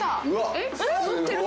えっ？載ってる。